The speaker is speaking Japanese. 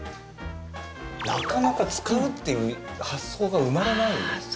なかなか使うっていう発想が生まれないですね